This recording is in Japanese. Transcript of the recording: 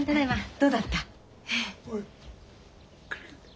どうだった？